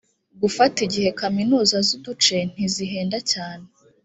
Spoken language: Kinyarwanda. gufata igihe kaminuza z uduce ntizihenda cyane